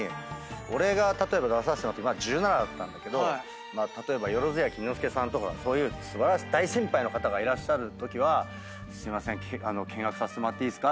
俺が例えば出させてもらって１７だったんだけど例えば萬屋錦之介さんとかそういう素晴らしい大先輩の方がいらっしゃるときは見学させてもらっていいですか？